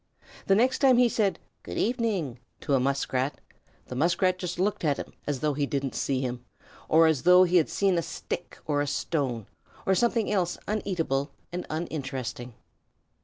The next time he said "Good evening" to a Muskrat, the Muskrat just looked at him as though he didn't see him or as though he had been a stick or a stone or something else uneatable and uninteresting.